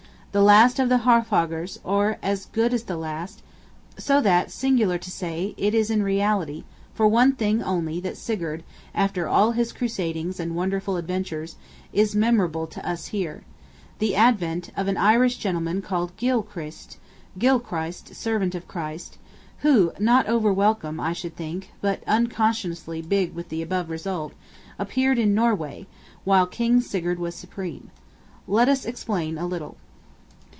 The last of the Haarfagrs, or as good as the last! So that, singular to say, it is in reality, for one thing only that Sigurd, after all his crusadings and wonderful adventures, is memorable to us here: the advent of an Irish gentleman called "Gylle Krist" (Gil christ, Servant of Christ), who, not over welcome, I should think, but (unconsciously) big with the above result, appeared in Norway, while King Sigurd was supreme. Let us explain a little.